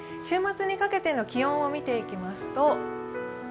週末にかけての気温を見ていきますと